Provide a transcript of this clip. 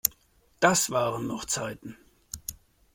Das waren noch Zeiten!